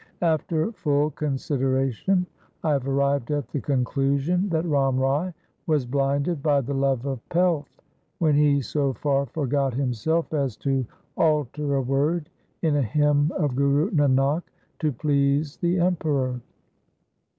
After full consideration I have arrived at the conclusion that Ram Rai was blinded by the love of pelf when he so far forgot himself as to LIFE OF GURU HAR RAI 313 alter a word in a hymn of Guru Nanak to please the Emperor.